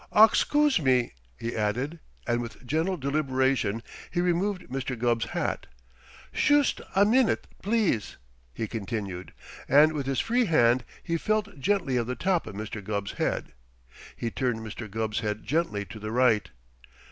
"Oxcoose me!" he added, and with gentle deliberation he removed Mr. Gubb's hat. "Shoost a minute, please!" he continued, and with his free hand he felt gently of the top of Mr. Gubb's head. He turned Mr. Gubb's head gently to the right.